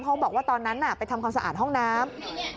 เขาบอกว่าตอนนั้นไปทำความสะอาดห้องน้ำ